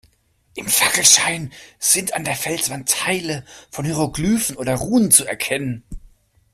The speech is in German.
Im Fackelschein sind an der Felswand Teile von Hieroglyphen oder Runen zu erkennen.